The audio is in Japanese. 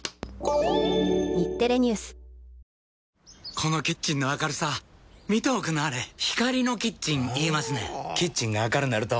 このキッチンの明るさ見ておくんなはれ光のキッチン言いますねんほぉキッチンが明るなると・・・